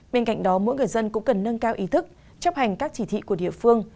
bên cạnh đó mỗi người dân cũng cần nâng cao ý thức chấp hành các chỉ thị của địa phương